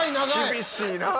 厳しいなぁ。